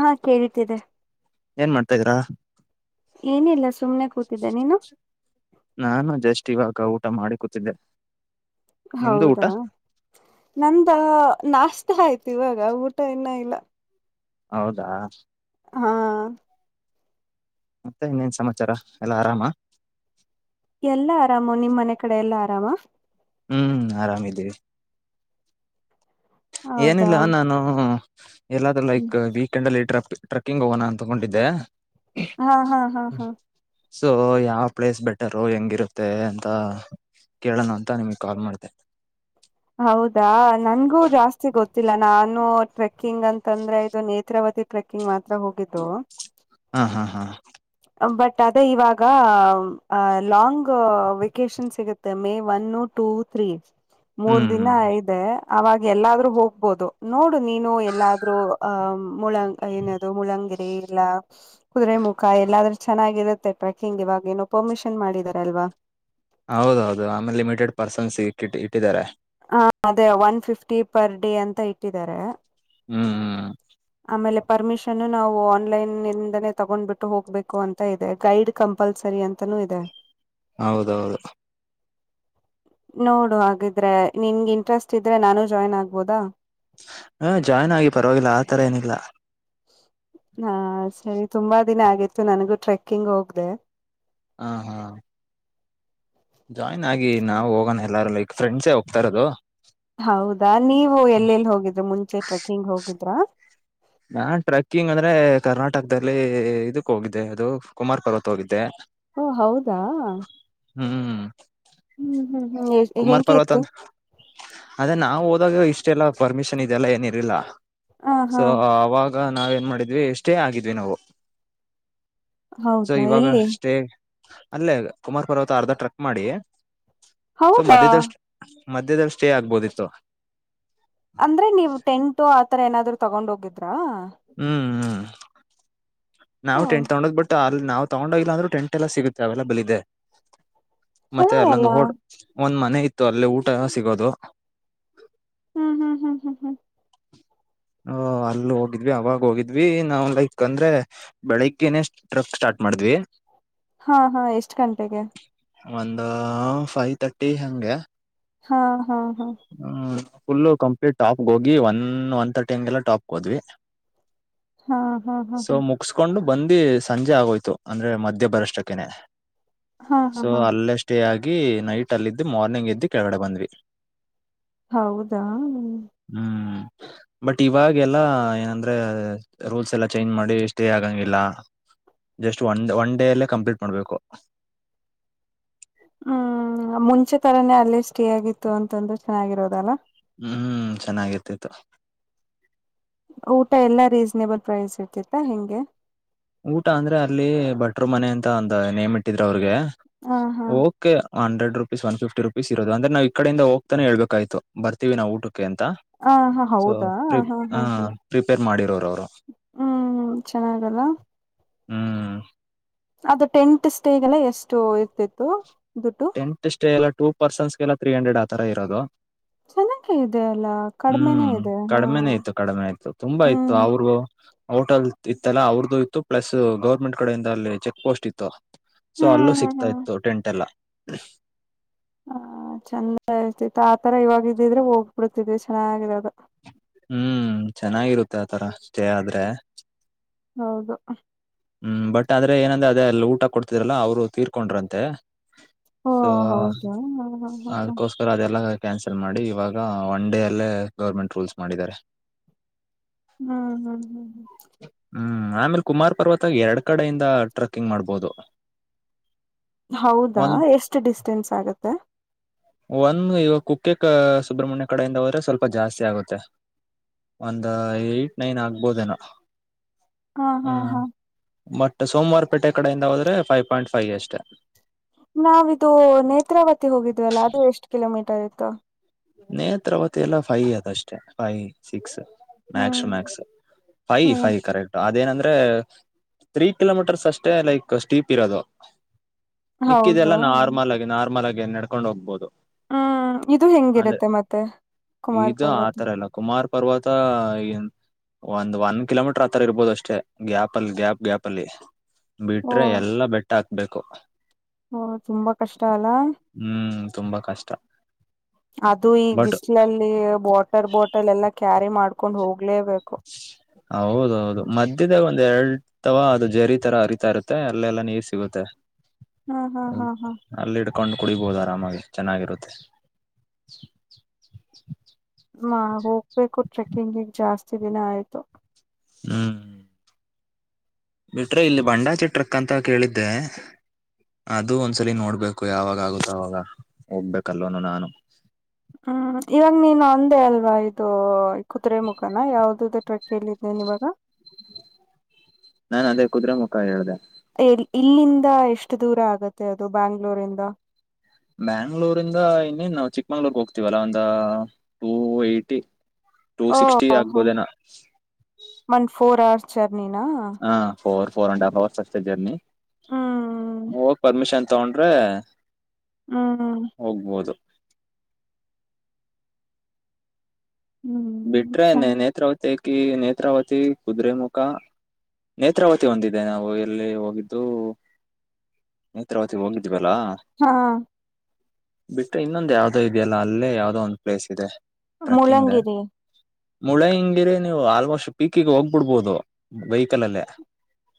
ಹಾ ಕೇಳಟ್ಟಿದೆ ಏನ್ ಮಾಡ್ತಾ ಇದಿದ್ರಾ ಏನಿಲ್ಲ ಸುಮ್ನೆ ಕೂತಿದ್ದೆ ನೀನು ನಾನು ಜಸ್ಟ್ ಇವಾಗ ಊಟ ಮಾಡಿ ಕೂತಿದ್ದೆ ನಿಮ್ದು ಊಟ ಹೌದಾ ನಂದ ನಾಸ್ತ ಆಯ್ತು ಇವಾಗ ಊಟ ಇನ ಇಲ್ಲ ಹೌದಾ ಹಾ ಮತ್ತೆ ಇನ್ನೇನ್ ಸಮಾಚಾರ ಎಲ್ಲಾ ಆರಾಮ ಎಲ್ಲ ಆರಾಮು ನಿಮಮ್ಮ್ ಮನೆ ಕಡೆ ಎಲ್ಲಾ ಆರಾಮ ಹ್ಮ್ ಆರಾಮಿದ್ದೀರಿ ಹೌದಾ ಏನಿಲ್ಲ ನಾನು ಎಲ್ಲಾದ್ರೂ ಹ್ಮ್ ಲೈಕ್ ಬ ಂಡಲ್ಲಿ ಟ್ರ ಟ್ರಕ್ಕಿಂಗ್ ಹೋಗೋಣ ಅಂತಕೊಂಡಿದ್ದೆ ಹಾ ಹಾ ಹಾ ಹಾ ಸೊ ಯಾವ ಪ್ಲೇಸ್ ಬೆಟರು ಹೆಂಗಿರುತ್ತೆ ಅಂತ ಕೇಳೋಣ ಅಂತ ನಿಮಗೆ ಕಾಲ್ ಮಾಡ್ಿದೆನೆ ಹೌದಾ ನನ್ಗೂ ಜಾಸ್ತಿ ಗೊತ್ತಿಲ್ಲ ನಾನು ಟಕ್ ಟೆಕ್ಕಿಂಗ್ ಅಂತಂದ್ರೆ ಇದು ನೇತ್ರಾವತಿ ಟ್ರೆಕ್ಕಿಂಗ್ ಮಾತ್ರ ಹೋಗಿದ್ದು ಹಾ ಹಾ ಹಾ ಬಟ್ ಅದೇ ಇವಾಗ ಲಾಂಗ್ ವೆೇಕೇಶನ್ ಸಿಗುತ್ತೆ ಮೇ ಒನ್ ಟು ತ್ರ್ರೀ ಮೂರ್ ಹ್ಮ್ ದಿನ ಹ್ಮ್ ಇಐದೆ ಅವಾಗ ಎಲ್ಲಾದ್ರೂ ಹೋಗ್ಬೋದು ನೋಡು ನೀನು ಎಲ್ಲಾದ್ ಅಹ ಮುಳ ಏನ ಅದು ಮುಳಂಗಿರಿ ಇಲ್ಲ ಕುದುರೆ ಮುಖ ಎಲ್ಲಾದ್ರೂ ಚೆನ್ನಾಗಿರುತ್ತೆ ಟ್ರೆಕಿಂಗ್ ಇವಾಗ ಏನೋ ಪರ್ಮಿಷನ್ ಮಾಡಿದಾರಲ್ವಾ ಹೌದೌದು ಆಮೇಲೆ ಲಿಮಿಟೆಡ್ ಪರ್ಸನ್ಸ್ಟ್ಟ ಇಟ್ಟಿದ್ದಾರೆ ಹ ಅದೇ ಒನ್ ಫಿಫ್ಟಿ ಪರ್ ಡೇ ಅಂತ ಇಟ್ಟಿದ್ದಾರೆ ಹ್ಮ್ ಹ್ಮ್ ಆಮೇಲೆ ಪರ್ಮಿಷನ್ ನಾವು ಆನ್ಲೈನ್ ಇಂದನೇ ತಗೊಂಡ್ಬಿಟ್ಟು ಹೋಗ್ಬೇಕು ಅಂತ ಇದೆ ಗೈಡ್ ಕಂಪಲ್ಸರಿ ಅಂತಾನೂ ಇದೆ ಹೌದೌದು ನೋಡು ಹಾಗಿದ್ರೆ ನಿನ್ ಇಂಟ್ರೆಸ್ಟ್ ಇದ್ರೆ ನಾನು ಜಾಯ್ನ್ ಆಗ್ಬೋದಾ ಹ್ಮ ಜಾಯ್ನ್ ಆಗಿ ಪರವಾಗಿಲ್ಲ ಆತರ ಏನಿಲ್ಲಾ ಹಾ ಸರಿ ತುಂಬಾ ದಿನ ಆಗಿತ್ತು ನನಗೂ ಟ್ರೆಕ್ಕಿಂಗ್ ಹೋಗ್ದ ಹಾ ಹಾ ಜಾಯ್ನ್ ಆಗ ನಾವು ಹೋಗೋ ಎಲ್ಲಾರು ಲೈಕ್ ಫ್ರೆಂಡ್ಸೇ ಹೋಗ್ತರೋದು ಹೌದಾ ನೀವು ಎಲ್ಲೆಲ್ಲಿ ಹೋಗಿದ್ರೆ ಮುಂಚೆ ಟ್ರೆಕ್ಕಿಂಗ್ ಹೋಗಿದ್ರಾ ನಾನ್ ಟ್ರೆಕ್ಕಿಂಗ್ ಅಂದ್ರೆ ಕರ್ನಾಟಕದಲ್ಲಿ ಇದಕ್ ಹೋಗಿದ್ದೆ ಅದು ಕುಮಾರ್ ಪರ್ವತ್ ಹೋಗಿದ್ದೆ ಓ ಹೌದಾ ಹ್ಮ್ ಹ್ಮ್ ಹ್ಮ್ ಹ್ಮ್ ಕುಮಾರ್ ಹೆಂಗೆ ಪರ್ವತ ಇತ್ತು ಅಂತ ಅದೇ ನಾವವು ಹೋದಾಗ ಇಷ್ಟೆಲ್ಲ ಪರ್ಮಿಷನ್ ಇದೆಲ್ಲ ಏನಿರ್ಲಿಲ್ಲ ಹ ಹಾ ಸ ಅವಾಗ ನಾವೇನ್ ಮಾಡಿದ್ವಿ ಎಷ್ಟೇ ಆಗಿದ್ವಿ ನಾವು ಸೊ ಹೌದಾ ಇವಾಗ ಎಲ್ಲಿ ಅಷ್ಟೇ ಅಲ್ಲೇ ಕುಮಾರ್ ಪರ್ವತ ಅರ್ಧ ಟ್ರಕ್ ಮಾಡಿ ಸೊ ಹೌದಾ ಮಧ್ಯದಷ್ಟು ಮಧ್ಯದಲ್ಲಿ ಸ್ಟೇ ಆಗ್ಬೋದಿತ್ತು ಅಂದ್ರೆ ನೀವು್ ಟೆಂಟು ಆತರ ಏನಾದ್ರು ತಗೊಂಡ್ ಹೋಗಿದ್ರಾ ಹ್ಮ್ ಹ್ಮ್ ಹ ನಾವವು ಟೆಂಟ್ ತಗೊಂಡದ್ ಬಿಿಟ್ಟು ಅಲ್ಲಿ ನಾವ್ ತಗೊಂಡೋಗಿಲ್ಲ ಅಂದ್ರೂ ಟೆಂಟ್ ಎಲ್ಲ ಸಿಗುತ್ತೆ ಅವೈಲಬಲ್ ಇದೆ ಮತ್ತೆ ಚೆನ್ನಾಗಲ್ಲ ಅಲ್ಲೊಂದು ಹೋಡ್ ಒಂದ್ ಮನೆ ಇತ್ತು ಅಲ್ಲಿ ಊಟ ಸಿಗೋದು ಹ್ಮ್ ಹ್ಮ್ ಹ್ಮ್ ಹ್ಮ್ ಹ್ಮ್ ಹ ಅಲ್ಲ ಹೋಗಿದ್ವಿ ಅವಾಗ ಹೋಗಿದ್ವಿ ನಾವ್ ಲೈಕ್ ಅಂದ್ರೆ ಬೆಳಿಗ್ನೆೇ ಟ್ರಕ್ ಸ್ಟಾರ್ಟ್ ಮಾಡಿದ್ವಿ ಹಾ ಹಾ ಎಷ್ಟು ಗಂಟೆಗೆ ಒಂದು ಫೈವ್ ತರ್ಟಿ ಹಂಗೆ ಹಾ ಹಾ ಹಾ ಹ್ಮ್ ಫುಲ್ಲ ಕಂಪ್ಲೀಟ್ ಟಾಪ್ ಹೋಗಿ ಒನ್ ಒನ್ ತರ್ಟಿ ಹಂಗೆಲ್ಲ ಟಾಪ್ಗೆ ಹೋದ್ವಿ [unintelligible] ಹಾ ಹಾ ಹಾ ಸೊ ಹಾ ಮುಗಸ್ಕೊಂಡು ಬಂದು ಸಂಜೆ ಆಗೋಯ್ತು ಅಂದ್ರೆ ಮಧ್ಯ ಬರಷ್ಟಕ್ಕನೆ ಹಾ ಹಾ ಸೊ ಹಾ ಅಲ್ಲೇ ಸ್ಟೇ ಆಗಿ ನೈಟ್ ಅಲ್ಲಿದ್ದು ಮಾರ್ನಿಂಗ್ ಇದ್ದು ಕೆಳಗಡೆ ಬಂದ್ವಿ ಹೌದಾ ಹ್ಮ್ ಬಟ್ ಇವಾಗೆಲ್ಲಾ ಏನಂದ್ರೆ ರೂಲ್ಸ್ ಎಲ್ಲ ಚೇಂಜ್ ಮಾಡಿ ಸ್ಟೇ ಆಗಂಗಿಲ್ಲ ಜಸ್ಟ್ ಒನ್ ಒನ್ ಡೇ ಅಲ್ಲೇ ಕಂಪ್ಲೀಟ್ ಮಾಡ್ಬೇಕು ಹ್ಮ್ ಮುಂಚೆ ತರಾನೇ ಅಲ್ಲೇ ಸ್ಟೇ ಆಗಿತ್ತು ಅಂತಂದ್ರೂ ಚೆನ್ನಾಗಿರೋದಲ್ಲ ಹ್ಮ್ ಚೆನ್ನಾಗಿತಿತ್ತು ಊಟ ಎಲ್ಲಾ ರೀಸನೇಬಲ್ ಪ್ರೈಸ್ ಇರ್ತಿತ್ತ ಹೆಂಗೆ ಊಟ ಅಂದ್ರೆ ಅಲ್ಲಿ ಬಟ್ರು ಮನೆ ಅಂತ ಒಂದ ನೇಮ್ ಇಟ್ಟಿದ್ರ ಅವ್ರಿಗೆ ಹ ಹಾ okay hundred rupees one fifty rupees ಇರೋದ ಅದ್ರೆ ನಾವು ಈಡಿಂದ ಹೋಗ್ತಾನೆ ಹೇಳಬೇಕಾಗೀತ್ತು ಬರ್ತೀವಿ ನಾವು ಊಟಕ್ಕೆ ಅಂತಾ ಆ ಹಾ ಸೊ ಹೌದಾ ಹಾ ಪ್ರಿ ಹಾ ಆ ಹಾ ಪ್ರಿಪೇರ್ ಮಾಡಿರೋರು ಅವರು ಹ್ಮ್ ಚೆನ್ನಾಗಿದಲ್ಲ ಹ್ಮ್ ಅದು ಟೆಂಟ್ ಸ್ಟೇಗೆಲ್ಲ ಎಷ್ಟು ಇರ್ತಿತ್ತು ದುಡ್ಡು ಟೆಟ್ ಸ್ಟೇ ಎಲ್ಲ ಟೂ ಪರ್ಸಟನ್ಸ ಎಲ್ಲಾ ತ್ರೀ ಹಂಡ್ರೆಡ್ ಆ ತರಾ ಇರೋದು ಚೆನ್ನಾಗೆ ಇದೆ ಅಲ್ಲ ಕಡಿಮೆನೂ ಹ್ಮ್ ಇದೆ ಹಾ ಕಡಿಮೆನ ಇಯ್ತು ಕಡಿಮೆ ಆಯ್ತು ತುಂಬಾ ಇತ್ತು ಹ್ಮ್ ಅವ್ರಿಗೂ ಹೋಟಲ್ ಇತ್ತಲ್ಲ ಅವ್ರದು ಇತ್ತು ಪ್ಲಸ್ ಗೌರ್ಮೆಂಟ್ ಕಡೆಯಿಂದ ಅಲ್ಲಿ ಚೆಕ್ ಪೋಸ್ಟ್ ಇತ್ತು ಸೊ ಹ್ಮ್ ಅಲ್ಲೂ ಹ್ಮ್ ಸಿಕ್ತಾ ಹ್ಮ್ ಇತ್ತು ಟೆಂಟ್ ಎಲ್ಲಾ ಹ ಚಂದ ಇಯ್ತತ ಆತರ ಇವಾಗ ಇದ್ದಿದ್ರೆ ಹೋಗ್ಬಿಡ್ತಿದ್ವಿ ಚೆನ್ನಾಗಿದೆ ಅದು ಹ್ಮ್ ಚೆನ್ನಾಗಿರುತ್ತೆ ಆತರಾ ಸ್ಟೇ ಆದ್ರೆ ಹೌದು ಹ್ಮ್ ಬಟ್ ಆದ್ರೆ ಏನಂದ್ರೆ ಅದೆಲ್ಲಾ ಊಟ ಕೊಡ್ತಿದ್ರಲ್ಲ ಅವ್ರು ತೀರ್ಕೊಂಡ್ರಂತೆ ಓ ಸೊ ಹೌದಾ ಹಾ ಹಾ ಹಾ ಹಾ ಅದಕೋಸ್ ಸರ್ ಅದೆಲ್ಲ ಕ್ಯಾನ್ಸಲ್ ಮಾಡಿ ಇವಾಗ ಒನ್ ಡೇ ಅಲ್ಲೇ ಗೌರ್ಮೆಂಟ್ ರೂಲ್ಸ್ ಮಾಡಿದ್ದಾರೆ ಹ್ಮ್ ಹ್ಮ್ ಹ್ಮ್ ಹ್ಮ ಹ್ಮ್ ಆಮೇಲೆ ಕುಮಾರ್ ಪರ್ವತ ಎರಡ್ ಕಡೆಯಿಂದ ಟ್ರೆಕ್ಕಿಂಗ್ ಮಾಡ್ಬೋದು ಹೌದಾ ಒಂದ್ ಎಷ್ಟು ಡಿಸ್ಟೆನ್ಸ್ ಆಗತ್ತೆ ಒಂದು ಇವಾಗ ಕುಕ್ಕೆ ಸುಬ್ರಹ್ಮಣ್ಯ ಕಡೆಯಿಂದ ಹೋದ್ರೆ ಸ್ವಲ್ಪ ಜಾಸ್ತಿ ಆಗುತ್ತೆ ಒಂದ ಏಟ್ ನೈನ್ ಆಗ್ಬೋದೇನೋ ಹಾ ಹಾ ಹ್ಮ್ ಹಾ ಬಟ್ ಸೋಮವಾರ ಪೇಟೆ ಕಡೆಯಿಂದ ಹೋದ್ರೆ ಫೈವ್ ಪಾಯಿಂಟ್ ಫೈವ್ ಅಷ್ಟೇ ನಾವಿದು ನೇತ್ರಾವತಿ ಹೋಗಿದ್ವಲ್ಲ ಅದು ಎಷ್ಟ್ ಕಿಲೋಮೀಟರ್ ಇತ್ತು ನೇತ್ರಾವತಿ ಎಲ್ಲ ಫೈ ಅದಷ್ಟೇ ಫೈ ಸಿಕ್ಸ್ ಮ್ಯಾಕ್ಸ್ ಹ್ಮ್ ಮ್ಯಾಕ್ಸ್ ಫೈ ಹ್ಮ್ ಫೈ ಕರೆಕ್ಟ್ ಅದೇನಂದ್ರೆ ತ್ರೀ ಕಿಲೋಮೀಟರ್ಸ್ ಅಷ್ಟೇ ಲೈಕ್ ಸ್ಟೀಪ್ ಇರೋದು ಮಿಕ್ಕಿದೆಲ್ಲ ಹೌದಾ ನಾರ್ಮಲ್ ಆ ನಾರ್ಮಲ್ ಆಗಿ ಏ ನಡ್ಕೊಂಡ ಹೋಗ್ಬಹುದು ಹ್ಮ್ ಇದು ಹೆಂಗಿರುತ್ತೆ ಮತ್ತೆ ಕುಮಾರ್ ಇದು ಪಾರ್ವತಿ ಆತರ ಇಲ್ಲ ಕುಮಾರ್ ಪರ್ವತ ಒಂದ್ ಒನ್ ಕಿಲೋಮೀಟರ್ ಆ ತರ ಇರ್ಬೋದು ಅಷ್ಟೇ ಗ್ಯಾಪ್ ಅಲ್ಲಿ ಗ್ಯಾಪ್ ಗ್ಯಾಪ್ ಅಲ್ಲಿ ಓ ಬಿಟ್ರೆ ಎಲ್ಲಾ ಬೆಟ್ಟ ಹತ್ಬೇಕು ಹ ಓ ತುಂಬಾ ಕಷ್ಟ ಅಲ್ಲಾ ಹ್ಮ್ ತುಂಬಾ ಕಷ್ಟ ಅದು ಈ ಬಟ್ ಬಿಸಿಲಲ್ಲಿ ವಾಟರ್ ಬಾಟಲ್ ಎಲ್ಲಾ ಕ್ಯಾರಿ ಮಾಡ್ಕೊಂಡ್ ಹೋಗ್ಲೇಬೇಕು ಹೌದೌದು ಮಧ್ಯದಾಗ ಒಂದ್ ಎರಡು ಅಥವಾ ಅದು ಜೆರಿ ತರ ಹರಿತಾ ಇರುತ್ತೆ ಅಲ್ಲೆಲ್ಲ ನೀರ್ ಸಿಗುತ್ತೆ ಹಾ ಹಾ ಹಾ ಹಾ ಅಲ್ಲಿ ಇಡ್ಕೊಂಡು ಕುಡಿಬೋದು ಆರಾಮಾಗಿ ಚೆನ್ನಾಗಿರುತ್ತೆ ಹ ಹೋಗ್ಬೇಕು ಟ್ರೆಕ್ಕಿಂಗಗ್ ಜಾಸ್ತಿ ದಿನ ಆಯ್ತು ಹ್ಮ್ ಬಿಟ್ರೆ ಇಲ್ಲಿ ಬಂಡಾಚಿ ಟ್ರಕ್ ಅಂತ ಕೇಳಿದ್ದೆ ಅದು ಒಂದ್ಸಲಿ ನೋಡ್ಬೇಕು ಯಾವಾಗ ಆಗುತ್ತೋ ಆವಾಗ ಹೋಗ್ಬೇಕಲ್ವನು ನಾನು ಹ್ಮ್ ಇವಾಗ ನೀನು ಅಂದೇ ಅಲ್ವಾ ಇದು ಕುದುರೆ ಮುಖನ ಯಾವ್ದ ಟ್ರಕ್ ಕೇಳಿದ್ದನೇನ್ ಇವಾಗ ನಾನ್ ಅದೇ ಕುದುರೆೆ ಮುಖ ಹೇಳ್ದ ಇಲ್ಲಿಂದ ಎಷ್ಟು ದೂರ ಆಗತ್ತೆ ಅದು ಬ್ಯಾಂಗ್ಳೂರಿಂದ ಬ್ಯಾಂಗ್ಳೂರಿಂದ ಇನ್ನೇನ್ ನಾವವು ಚಿಕ್ಕಮಂಗ್ಳೂರ್ ಹೋಗ್ತಿೀವಲ್ಲ ಒಂದ ಟೂ ಏಯ್ಟಿ ಟೂ ಓ ಸಿಕ್ಸ್ಟಿ ಆಗ್ಬೋದೇನಾ ಒನ್ ಫೋರ್ ಅವವರ್ಸ್ ಜರ್ನಿನ ಹಾ four four and half hours ಅಷ್ಟೆ ಜರ್ನಿ ಹ್ಮ್ ಹೋಗಿ ಪರ್ಮಿಷನ್ ತಗೊಂಡ್ರೆ ಹ್ಮ್ ಹೋಗ್ಬೋದು ಹ್ಮ್ ಬಿಟ್ರೆನೆ ಚ ನೇತ್ರಾವತಿ ಕ ನೇತ್ರಾವತಿ ಕುುದ್ರೆ ಮುುಖ ನೇತ್ರಾವತಿ ಹೊಂದಿದೆ ನಾವು ಎಲ್ಲಿ ಹೋಗಿದ್ದು ನೇತ್ರಾವತಿ ಹೋಗಿದ್ವಲ್ಲಾ ಹಾ ಬಿಟ್ರೆ ಇನ್ನೊಂದ ಯಾವವುದೋ ಇದೆಯಲ್ಲ ಅಲ್ಲೇ ಯಾವವುದೋ ಒಂದು ಪ್ಲೇಸ್ ಇದೆ ಮುಲಂಗಿರಿ ಮುಳೆ ಹಿಂಗಿರಿ ನೀವು ಆಲ್ಮೋಸ್ಟ್ ಪೀಕಿಗೆ ಹೋಗ್ಬಿಡ್ಬೋದು ಬೈಿಕಲ್ ಅಲ್ಲೇ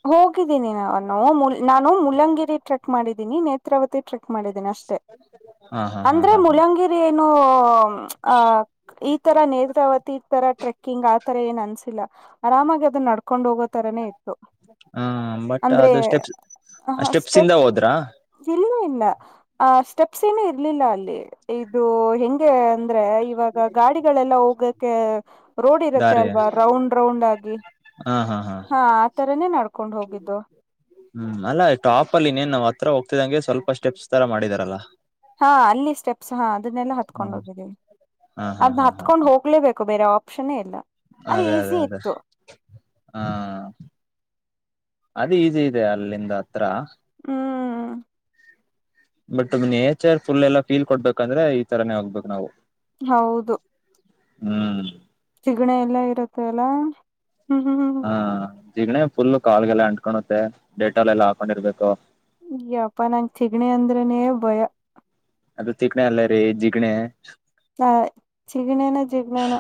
ಹೋಗಿದ್ದೀನಿ ನಾನು ನಾನು ಮುಲಂಗಿರಿ ಟ್ರೆಕ್ ಮಾಡಿದ್ದೀಿನನಿ ನೇತ್ರಾವತಿ ಟ್ರೆಕ್ ಮಾಡಿದ್ದೀನಿ ಅಷ್ಟೆ ಹಾ ಹಾ ಹಾ ಅಂದ್ರೆ ಹಾ ಹಾ ಮುಳಂಗಿರಿ ಏನು ಆ ಈ ತರ ನೇತ್ರಾವತಿ ಈ ತರ ಟ್ರಕ್ಕಿಂಗ್ ಆತರ ಏನ್ ಅನ್ಸಿಲ್ಲ ಆರಾಮಾಗಿ ಅದನ್ನ ನಡ್ಕೊಂಡ್ ಹೋಗ ತರನೇ ಇತ್ತು ಹಾ ಬಟ್ ಅಂದ್ರೆ ಅದು ಸ್ಟೆಪ್ಸ್ ಸ್ಟೆಪ್ಸ್ ಇಂದ ಸ್ಟೆಪ್ ಹೋದ್ರಾ ಇಲ್ಲ ಇಲ್ಲ ಸ್ಟೆಪ್ಸ್ ಏನು ಇರ್ಲಿಲ್ಲ ಅಲ್ಲಿ ಇದು ಹೆ ಹಾಗಗೆ ಅಂದ್ರೆ ಇವಾಗ ಗಾಡಿಗಳೆಲ್ಲ ಹೋಗಕ್ಕೆ ರೋಡ್ ಇರುತ್ತೆ ದಾರಿ ಅಲ್ವಾ ರೌಂಡ್ ರೌಂಡ್ ಆಗಿ ಹಾ ಹಾ ಹಾ ಆ ತರನೇ ನಡ್ಕೊಂಡ್ ಹೋಗಿದ್ದು ಹ್ಮ್ ಅಲ್ಲ ಟಾಪ ಅಲ್ಲಿ ಇನ್ನೇನ್ ನಾವ್ ಹತ್ರ ಹೋಗ್ತಿದಂಗೆ ಸ್ವಲ್ಪ ಸ್ಟೆಪ್ಸ್ ತರಾ ಮಾಡಿದಾರಲ್ಲಾ ಹಾ ಅಲ್ಲಿ ಸ್ಟೆಪ್ಸ್ ಹಾ ಅದನ್ನೆಲ್ಲಾ ಹತ್ಕೊಂಡ್ ಹ್ಮ್ ಹೋಗಿದ್ದೀವಿ ಹಾ ಹಾ ಅದನ್ನ ಹಾ ಹಾ ಹತ್ಕೊಂಡ್ ಹೋಗ್ಲೇಬೇಕು ಬೇರೆ ಆಪ್ಷನ್ ಇಲ್ಲ ಅದು ಅದೇ ಅದೇ ಈಸಿ ಅದೇ ಇತ್ತು ಹಾ ಅದು ಈಜಿ ಇದೆ ಅಲ್ಲಿಂದ ಹತ್ರ ಹ್ಮ್ ಬಟ್ ನೇಚರ್ ಫುಲ್ ಎಲ್ಲಾ ಫೀಲ್ ಕೊಡ್ಬೇಕಂದ್ರೆ ಈ ತರಾನೇ ಹೋಗ್ಬೇಕು ನಾವು ಹೌದು ಹ್ಮ್ ಚಿಗ್ಣೆ ಎಲ್ಲ ಇರುತ್ತೆ ಅಲ್ಲಾ ಹ್ಮ ಹ್ಮ್ ಹಾ ಜಿಗಣೆ ಫುಲ್ ಕಾಲ್ಗೆಲ್ಲ ಅಂ ತ್ತೆ ಡೇಟಲ್ಲ ಎಲ್ಲಾ ಹಾಕೊಂಡಿರ್ಬೇಕು ಇಪ್ಪಾ ನಂ ತಗಣಿ ಅಂದ್ರನನೆ ಭಯ ಅದು ತಿಕ್ಣಿ ಅಲ್ಲ ರೀ ಜಿಗ್ಣೆ ಹಾ ಚಿಗಣೇನ ಜಿಗ್ಣೇನ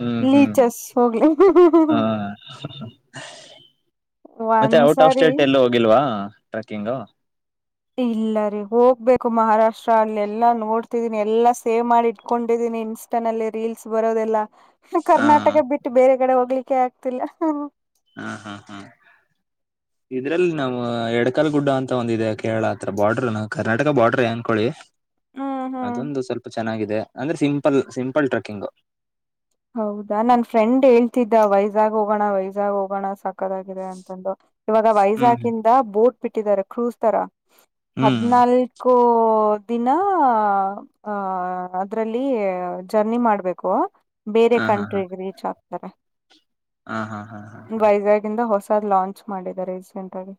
ಹ್ಮ್ ಹ್ಮ್ ಲೀಚಸ್ ಹೋಗಲ ಹ ಒಂದ್ಸರಿ ಗಿಲ್ವಾ ಟ್ರೆಕ್ಕಿಂಗ್ ಇಲ್ಲ ರೀ ಹೋಗ್ಬೇಕು ಮಹಾರಾಷ್ಟ್ರ ಅಲ್ಲ ಎಲ್ಲಾ ನೋಡ್ತಿದೀನಿ ಎಲ್ಲಾ ಸೇವ್ ಮಾಡಿ ಇಟ್ಕೊಂಡಿದೀನಿ ಇನ್ ಲ್ಲಿ ರೀಲ್ಸ್ ಬರೋದೆಲ್ಲಾ ಹಾ ಕರ್ನಾಟಕ ಬಿಟ್ಟು ಬೇರೆ ಕಡೆ ಹೋಗ್ಲಿಕ್ಕೆ ಆಗ್ತಿಲ್ಲ ಹಾ ಹಾ ಹಾ ಇದ್ರಲ್ಲಿ ನಮ್ಮ್ ಎಡಕಲ್ ಗುಡ್ಡ ಅಂತ ಒಂದ ಇಿದೆ ಕೇಳತ್ರ ಬಾರ್ಡ್ರ ನ ಕರ್ನಾಟಕ ಬಾರ್ಡ್ರ ಅನ್ಕೊೊಳ್ಳಿ ಹ್ಮ್ ಹ್ಮ್ ಅದೊಂದು ಸ್ವಲ್ಪ ಚೆನ್ನಾಗಿದೆ ಅಂದ್ರೆ ಸಿಂಪಲ್ ಸಿಂಪಲ್ ಟ್ರೆಕ್ಕಿಂಗ್ ಹೌದಾ ನನ್ ಫ್ರೆಂಡ್ ಹೇಳ್ತಿದ್ದ ವೈಜಾಗ್ ಹೋಗೋಣ ವೈಜಾಗ್ ಹೋಗೋಣ ಸಾಕತ್ಗಿದೆ ಇವಾಗ ಹ್ಮ್ ವೈಜಾಕ್ ಇಂದ ಬೋಟ್ ಬಿಟ್ಟಿದ್ದಾರೆ ಕ್ರೂಸ್ ತರ ಹ್ಮ್ ಹದ್ನಾಲ್ಕು ಕೋ ದಿನ ಆಹ ಅದ್ರಲ್ಲಿ ಜರ್ನಿ ಮಾಡ್ಬೇಕು ಬೇರೆ ಹಾ ಹಾ ಹಾ ಕಂಟ್ರಿಗೆ ರೀಚ್ ಆಗ್ತಾರೆ ಹಾ ಹಾ ಹಾ ಹಾ ಹಾ ವೈಜಾಗ್ಂದ ಹೊಸ್ ಲಾಂಚ್ ಹೆ ಮಾಡಿದ್ದಾರೆ ರೀಸೆಂಟ್ ಆಗಿ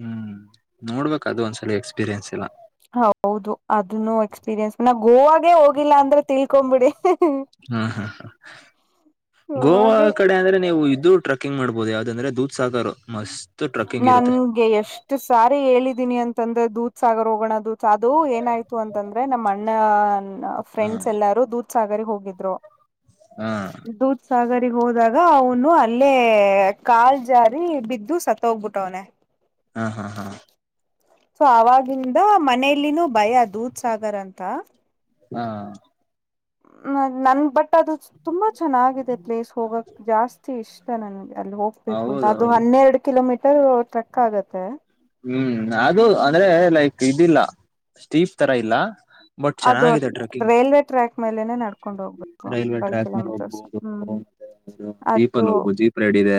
ಹ್ಮ್ ನೋಡ್ಬೇಕಕ್ ಅದು ಒಂದ್ಸಲ ಎಕ್ಸ್ಪೀರಿಯನ್ಸ್ ಇಲ್ಲ ಹೌದು ಅದನ್ನು ಎಕ್ಸ್ಪೀರಿಯನ್ಸ್ ನ ಗೋವಾಗೆ ಹೋಗಿಲ್ಲ ಅಂದ್ರೆ ತಿಳ್ಕೊ್ ಬಿಿಡಿ ಹ್ಮ್ ಹ್ಮ ಹ ಗೋವಾ ಗೋವಾಗೆ ಕಡೆ ಅಂದ್ರೆ ನೀವು ಇದು ಟ್ರಕ್ ಕುಕ್ಕಂಗ್ ಮಾಡಬಹುದು ಯಾವ್ದಂದ್ರೆ ದೂ್ ಸಾಕು ಮಸ್ತ್ ಟ್ರೆಕ್ಕಿಂಗ್ ಇರುತ್ತೆ ನನ್ಗೆ ಯಶ್ ಇಷ್ಟು ಸಾರಿ ಹೇಳಿದೀನಿ ಅಂತಂದ್ರೆ ದೂತ್ ಸಾಗ ಹೋಗಣ ದೂತ್ ಅದು ಏನಾಯ್ತು ಅಂತಂದ್ರೆ ನಮ್ಮ್ ಅಣ್ಣ ಹ ಫ್ರೆಂಡ್ಸ್ ಎಲ್ಲಾರೂ ದೂದ ಸಾಗರ್ ಹೋಗಿದ್ರು ಹ ಸಾಗರಿಗ್ ಹೋದಾಗ ಅವನು ಅಲ್ಲೇ ಕಾಲ್ ಜಾರಿ ಬಿದ್ದು ಸತ್ತ ಹೋಗ್ಬಿಟ್ಟವ್ನ ಹಾ ಹಾ ಹಾ ಸೊ ಅವಾಗಿಂದ ಮನೆಯಲ್ಲಿನೂ ಭಯ ದೂದ್ ಸಾಗರ್ ಅಂತ ಹಾ ಹ ನನ್ ಬಟ್ ಅದು ತುಂಬಾ ಚೆನ್ನಾಗಿದೆ ಪ್ಲೇಸ್ ಹೋಗಕ್ ಜಾಸ್ತಿ ಇಷ್ಟ ನನ್ಗೆ ಅಲ್ಲಿ ಹೋಗ್ಬೇಕು ಅಂತ ಅದು ಹೌದೌದು ಹನ್ನೆರಡು ಕಿಲೋಮೀಟರ್ ಟ್ರೆಕ್ ಆಗತ್ತೆ ಹ್ಮ್ ಅದು ಅಂದ್ರೆ ಲೈಕ್ ಇದಿಲ್ಲ ಸ್ಟೀಫ್ ತರ ಇಲ್ಲ ಬಟ್ ಅದು ಚೆನ್ನಾಗಿದೆ ಟ್ರೆಕ್ಕಿಂಗ್ ರೈಲ್ವೆ ಟ್ರ್ಯಾಕ್ ಮೇಲೆನೆೇ ನಡ್ಕ ಕಕೊಂಡ್ ಹೋಗ್ಬೇಕು ರೈಲ್ವೆ ಫೈವ್ಲ್ ಟ್ರ್ಯಾಕ್ ಮೇಲೆ ಕಿಲೋಮೀಟರ್ಸ್ ಹೋಗ್ಬಹುದು ಹ್ಮ್ ಅದು ಡ ಇಿದೆ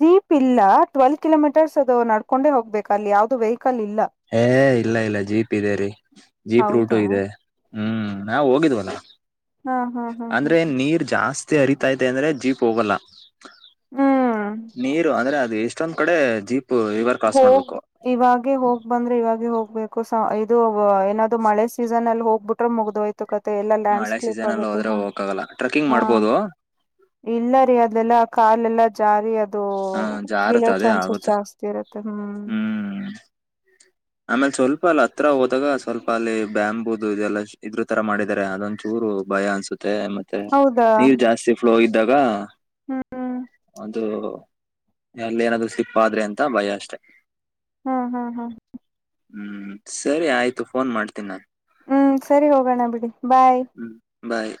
ಜೀಪ್ ಇಲ್ಲ ಟ್ವೆಲ್ವ ಕಿಲೋಮೀಟರ್ಸ್ ಅದು ನಡ್ಕೊಂಡೆ ಹೋಗ್ಬೇಕು ಅಲ್ಲಿ ಯಾವ್ದದು ವೆಹಿಕಲ್ ಇಲ್ಲ ಹಏ ಇಲ್ಲ ಇಲ್ಲ ಜೀಪ್ ಇದೆ ರೀ ಜೀಪ್ ರೂಟು ಹೌದಾ ಇದೆ ಹ್ಮ್ ನಾ ಹೋಗಿದ್ವಲ್ಲ ಹಾ ಹಾ ಹಾ ಹಾ ಅಂದ್ರೆ ನೀರ್ ಜಾಸ್ತಿ ಹರಿತಾತೆ ಅಂದ್ರೆ ಜೀಪ್ ಹೋಗಲ್ಲ ಹ್ಮ್ ನೀರು ಅಂದ್ರೆ ಅದು ಇಷ್ಟೊಂದ್ ಕಡೆ ಜೀಪ್ ರಿವರ್ ಕ್ರಾಸ್ ಹೂ ಮಾಡ್ಬೇಕು ಇವಾಗೆ ಹೋಗ್ ಬಂದ್ರೆ ಇವಾಗೆ ಹೋಗ್ಬೇಕು ಸಾ ಇದು ಏನ ಅದು ಮಳೆ ಸೀಸನ್ ಅಲ್ಲಿ ಹೋಗ್ಬಿಟ್ರೆ ಮುಗ್ದೋಯ್ತು ಕತೆ ಎಲ್ಲಾ ಮಳೆ ಲ್ಯಾಂಡ್ಸ್ಕ್ಲೇಪ್ ಸೀಸನ್ ಅಲ್ಲಿ ಆಗುತ್ತೆ ಹೋದ್ರೆ ಹಾ ಹೋಗಕ್ಕಾಗಲ್ಲ ಟ್ರೆಕ್ಕಿಂಗ್ ಹಾ ಮಾಡ್ಬೋದು ಇಲ್ಲ ರೀ ಅದೆಲ್ಲ ಕಾಲೆಲ್ಲ ಜಾರಿ ಅದು ಹ ಬೀಳೋ ಜಾರುತ್ತ ಅದೇ ಚಾನ್ಸಸ್ ಆಗುತ್ತೆ ಜಾಸ್ತಿ ಇರುತ್ತೆ ಹ್ಮ್ ಹ್ಮ್ ಆಮೇಲೆ ಸ್ವಲ್ಪ ಅಲ್ಲಿ ಹತ್ರ ಹೋದಾಗ ಸ್ವಲ್ಪ ಅಲ್ಲಿ ಬ್ಯಾಂಬೂುದು ಇದೆಲ್ಲ ಇದ್ರ ತರ ಮಾಡಿದಿದ್ದಾರೆ ಅದೊಂದ ಚೂರು ಭಯ ಅನ್ಸುತ್ತೆ ಮತ್ತೆ ಹೌದಾ ನೀರ್ ಜಾಸ್ತಿ ಫ್ಲೋ ಇದ್ದಾಗ ಹ್ಮ್ ಅದು ಎಲ್ಲಿ ಏನಾದರು ಸಿಪ್ಪಾದ್ರೆ ಅಂತ ಭಯ ಅಷ್ಟೆ ಹ್ಮ್ ಹ್ಮ್ ಹ್ಮ ಹ್ಮ್ ಸರಿ ಆಯ್ತು ಫೋನ್ ಮಾಡ್ತೀನಿ ನಾನನ್ ಹ್ಮ್ ಸರಿ ಹೋಗೋಣ ಬಿಡಿ ಬಾಯ್ ಹ್ಞ ಬಾಯ್